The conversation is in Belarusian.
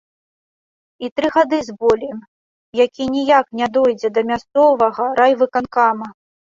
І тры гады з болем, які ніяк не дойдзе да мясцовага райвыканкама.